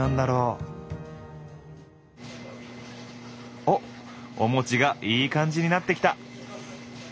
おっお餅がいい感じになってきた。